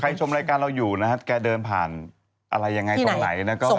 ใครชมรายการเราอยู่ถ้าทุกคนเดินผ่านอะไรตรงไหน